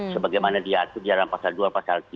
sebagaimana diatur di dalam pasal dua pasal tiga